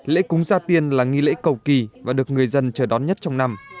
lễ cúng gia tiên là nghi lễ cầu kỳ và được người dân chờ đón nhất trong năm